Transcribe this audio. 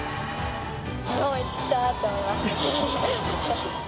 日本一来た！って思いました。